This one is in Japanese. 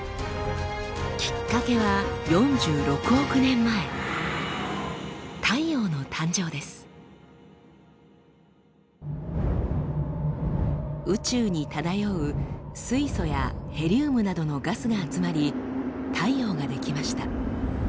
きっかけは４６億年前宇宙に漂う水素やヘリウムなどのガスが集まり太陽が出来ました。